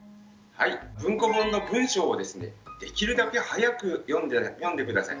文庫本の文章をですねできるだけ速く読んで下さい。